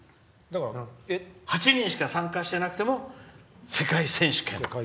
８人しか参加してなくても世界選手権。